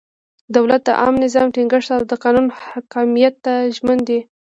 دولت د عامه نظم ټینګښت او د قانون حاکمیت ته ژمن دی.